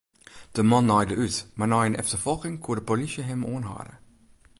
De man naaide út, mar nei in efterfolging koe de polysje him oanhâlde.